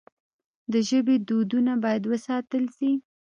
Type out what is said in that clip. د ژبې دودونه باید وساتل سي.